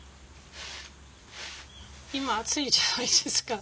今暑いじゃないですか。